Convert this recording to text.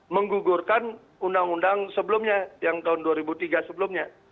menggugurkan undang undang sebelumnya yang tahun dua ribu tiga sebelumnya